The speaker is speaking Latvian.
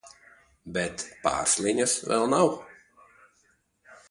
Bet Pārsliņas vēl nav...